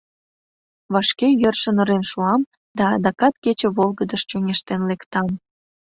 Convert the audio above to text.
Вашке йӧршын ырен шуам да адакат кече волгыдыш чоҥештен лектам.